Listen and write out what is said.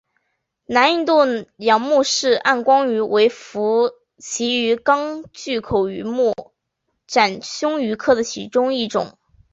南印度洋穆氏暗光鱼为辐鳍鱼纲巨口鱼目褶胸鱼科的其中一种。